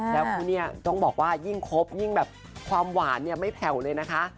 แล้วคู่นี้ต้องบอกว่ายิ่งครบยิ่งแบบความหวานเนี่ยไม่แผ่วเลยนะคะ